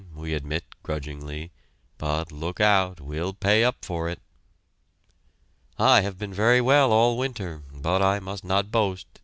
we admit grudgingly, "but, look out! We'll pay up for it!" "I have been very well all winter, but I must not boast.